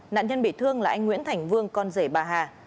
nạn nhân bị thương là anh nguyễn thành vương con rể bà hà